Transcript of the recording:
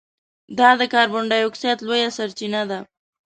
دا د کاربن ډای اکسایډ لویه سرچینه ده.